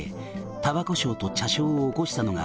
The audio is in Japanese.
「たばこ商と茶商を起こしたのが」